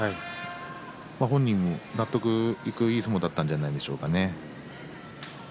本人も納得のいくいい相撲だったんじゃないでしょうかね。